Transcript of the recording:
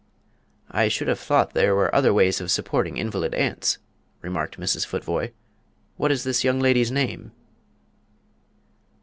"I should have thought there were other ways of supporting invalid aunts," remarked Mrs. Futvoye. "What is this young lady's name?"